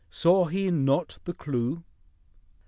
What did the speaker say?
Saw he not the clue ?